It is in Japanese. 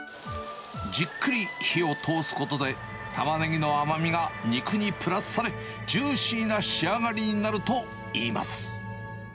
じっくり火を通すことで、タマネギの甘みが肉にプラスされ、ジューシーな仕上がりになるといいます。